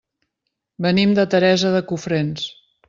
Venim de Teresa de Cofrents.